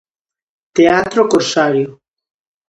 Teatro Corsario.